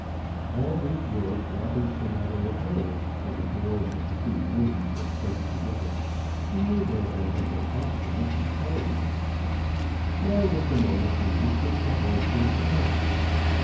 All these words Robinson had overheard, for the doors of the two rooms were close together, and neither of them had been absolutely closed. Now was the moment in which it behoved him to act.